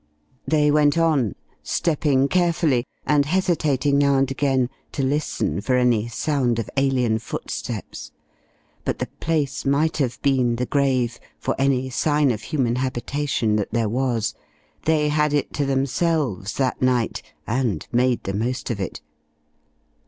They went on, stepping carefully, and hesitating now and again to listen for any sound of alien footsteps. But the place might have been the grave for any sign of human habitation that there was. They had it to themselves that night, and made the most of it.